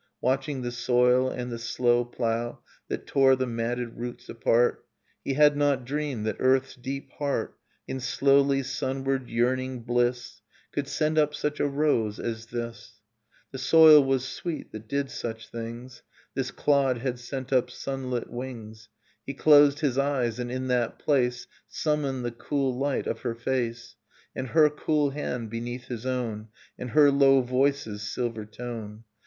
Watching the soil and the slow plough That tore the matted roots apart, Innocence He had not dreamed that earth's deep heart In slowly sunward yearning bUss Could send up such a rose as this !— The soil was sweet that did such things; This clod had sent up sunlit wings ... He closed his eyes, and in that place Summoned the cool light of her face, And her cool hand beneath his own, And her low voice's silver tone.